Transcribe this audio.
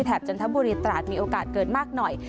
แถบจรรถบุหริษฎราชมีโอกาสเกิดมากหน่อย